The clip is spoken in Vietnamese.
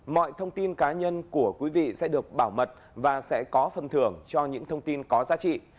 mọi thông tin cá nhân của quý vị sẽ được bảo mật và sẽ có phần thưởng cho những thông tin có giá trị